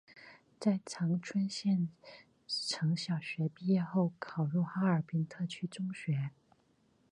在长春县城小学毕业后考入哈尔滨特区中学。